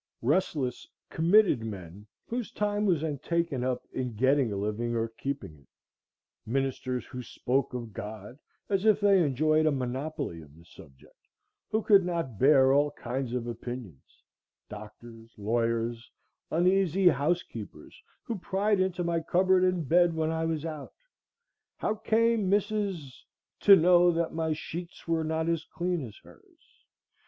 Restless committed men, whose time was all taken up in getting a living or keeping it; ministers who spoke of God as if they enjoyed a monopoly of the subject, who could not bear all kinds of opinions; doctors, lawyers, uneasy housekeepers who pried into my cupboard and bed when I was out,—how came Mrs. —— to know that my sheets were not as clean as hers?